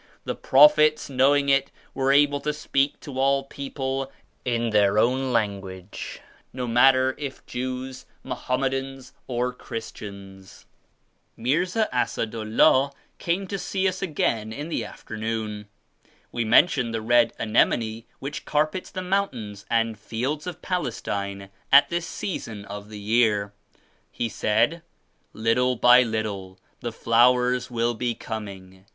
The Proph ets, knowing it, were able to speak to all people in their own language, no matter if Jews, Mo hammedans or Christians." Mirza Assad Ullah came to see us again in the afternoon. We mentioned the red anemone which carpets the mountains and fields of Pales tine at this season of the year. He said "Little by little the flowers will be coming.